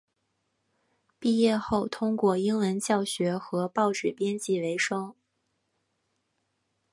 毕业后通过英文教学和报纸编辑维生。